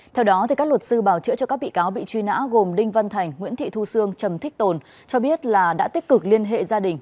theo đó các luật sư bảo chữa cho các bị cáo bị truy nã gồm đinh văn thành nguyễn thị thu sương trầm thích tồn cho biết là đã tích cực liên hệ gia đình